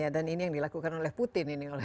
dan ini yang dilakukan oleh putin